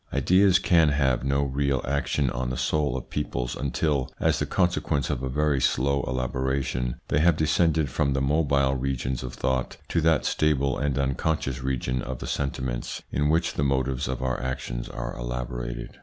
Ideas can have no real action on the soul of peoples until, as the consequence of a very slow elaboration, they have descended from the mobile regions of thought to that stable and unconscious region of the sentiments in which the motives of our actions are elaborated.